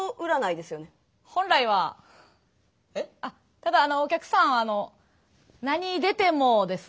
ただお客さんあの「何出ても」です。